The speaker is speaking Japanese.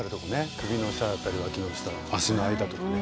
首の下だったり脇の下脚の間とかね。